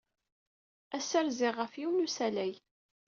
Ass-a, rziɣ ɣef yiwen n usalay.